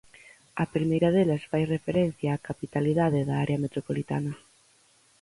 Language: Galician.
A primeira delas fai referencia á capitalidade da Área Metropolitana.